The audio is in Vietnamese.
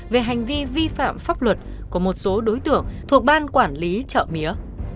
về hành vi vi phạm pháp luật của một số đối tượng thuộc ban quản lý chợ mía